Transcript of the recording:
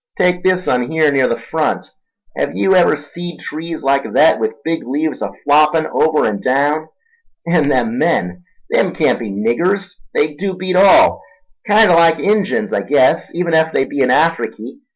Take this un here near the front. Hev yew ever seed trees like thet, with big leaves a floppin' over an' daown? And them men—them can't be niggers—they dew beat all. Kinder like Injuns, I guess, even ef they be in Afriky.